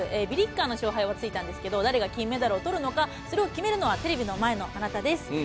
ビリッカーの勝敗はついたんですけど誰が金メダルを取るのかそれを決めるのはテレビの前のあなたです。